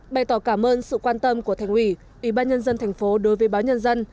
bày tỏ cảm ơn sự quan tâm của thành ủy ủy ban nhân dân thành phố đối với báo nhân dân